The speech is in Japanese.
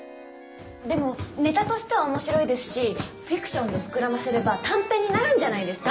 でもネタとしてはおもしろいですしフィクションで膨らませれば短編になるんじゃないですか？